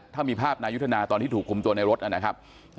ถ้ามีภาพนายุทธนาตอนที่ถูกคุมตัวในรถนะครับ